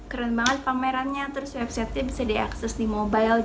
keren banget pamerannya terus websitenya bisa diakses di mobile